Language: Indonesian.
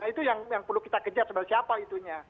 itu yang perlu kita kejar sebagai siapa itunya